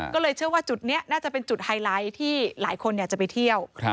ก็เลยเชื่อว่าจุดนี้น่าจะเป็นจุดไฮไลท์ที่หลายคนอยากจะไปเที่ยว